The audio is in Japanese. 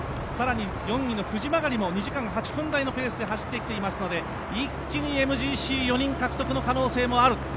更に、４位の藤曲も２時間８分台のペースで走ってきていますので一気にＭＧＣ４人獲得の可能性もある。